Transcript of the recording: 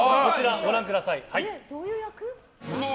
ご覧ください。